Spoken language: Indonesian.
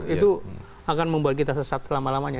itu akan membuat kita sesat selama lamanya